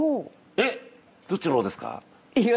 えっどっちの「おお！」ですか？